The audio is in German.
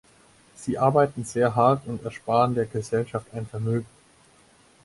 Sie arbeiten sehr hart und ersparen der Gesellschaft ein Vermögen.